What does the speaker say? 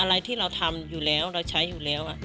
อะไรที่เราทำอยู่แล้วเราใช้อยู่แล้ว